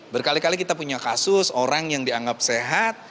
berkali kali kita punya kasus orang yang dianggap sehat